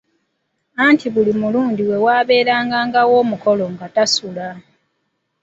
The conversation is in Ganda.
Anti buli mulundi lwe waabeerangawo omukolo nga tasula.